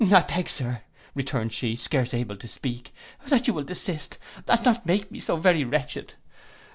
'—'I beg, Sir,' returned she, scarce able to speak, 'that you'll desist, and not make me so very wretched.